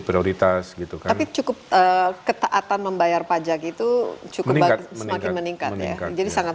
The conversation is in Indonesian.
prioritas gitu kan cukup ketaatan membayar pajak itu cukup meningkat meningkat meningkat jadi sangat